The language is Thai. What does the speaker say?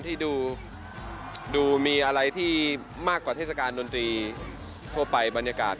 ที่ดูมีอะไรที่มากกว่าเทศกาลดนตรีทั่วไปบรรยากาศ